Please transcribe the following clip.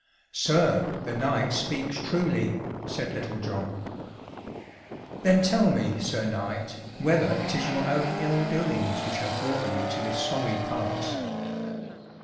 "Sir, the knight speaks truly," said Little John. "Then tell me, Sir Knight, whether it is your own ill doings which have brought you to this sorry pass."